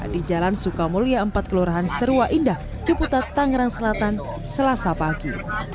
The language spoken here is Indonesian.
di jalan sukamulia empat kelurahan serua indah ceputat tangerang selatan selasa pagi